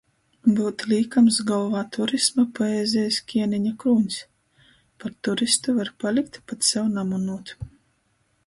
Byut līkams golvā turisma poezejis kieneņa krūņs? Par turistu var palikt, pat sev namonūt.